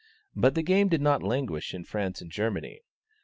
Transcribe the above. But the game did not languish in France and Germany.